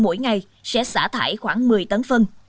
mỗi ngày sẽ xả thải khoảng một mươi tấn phân